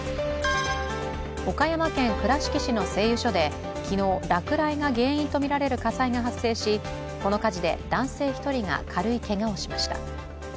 岡山県倉敷市の製油所で昨日、落雷が原因とみられる火災が発生し、この火事で男性１人が軽いけがをしました。